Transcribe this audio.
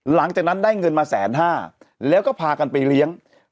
หลังจากนั้นได้เงินมาแสนห้าแล้วก็พากันไปเลี้ยง